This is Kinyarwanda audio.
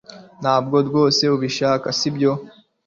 Ntabwo rwose ubishaka sibyo